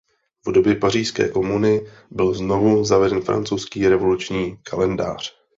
V době Pařížské komuny byl znovu zaveden Francouzský revoluční kalendář.